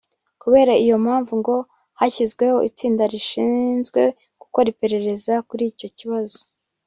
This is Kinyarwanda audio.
Kubera iyo mpamvu ngo hashyizweho itsinda rishinzwe gukora iperereza kuri icyo kibazo